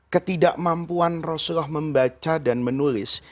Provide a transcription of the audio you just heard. ketidakmampuan rasulullah membaca dan menulis